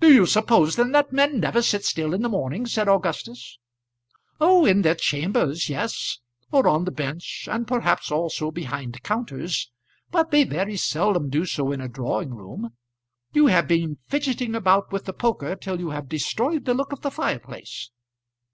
"Do you suppose then that men never sit still in the morning?" said Augustus. "Oh, in their chambers, yes; or on the bench, and perhaps also behind counters; but they very seldom do so in a drawing room. You have been fidgeting about with the poker till you have destroyed the look of the fireplace."